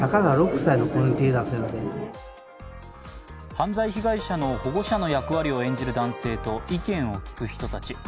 犯罪被害者の保護者の役割を演じる男性と意見を聞く人たち。